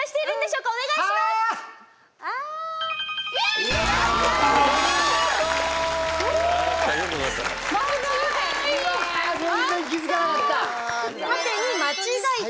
うわ、全然気付かなかった。